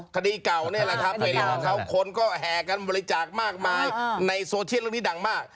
ประดีก่าวนี่แหละครับเขาเขาคนก็แหวกันบริจาคมากมายในศาลยุคนี้ดังมาก